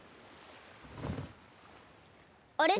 あれ？